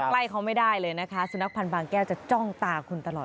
ใกล้เขาไม่ได้เลยนะคะสุนัขพันธ์บางแก้วจะจ้องตาคุณตลอด